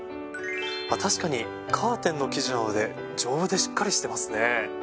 確かにカーテンの生地なので丈夫でしっかりしてますね。